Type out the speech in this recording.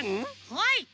はい。